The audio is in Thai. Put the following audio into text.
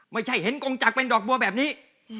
ไม่ใช่เห็นกงจักรเป็นดอกบัวแบบนี้